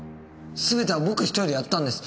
すべては僕１人でやったんです。